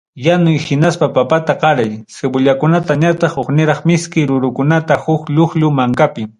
Yanuy hinaspa papata qaray, cebollakunata ñataq hukniraq miski rurukunata huk llucllu mankapi.